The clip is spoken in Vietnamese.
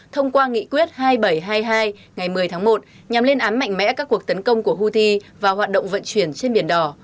thông qua nghị quyết hai nghìn bảy trăm hai mươi hai ngày một mươi tháng một nhằm lên ám mạnh mẽ các cuộc tấn công của houthi vào hoạt động vận chuyển trên biển đỏ